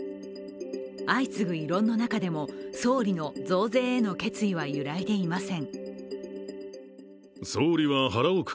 相次ぐ異論の中でも、総理の増税への決意は揺らいでいません。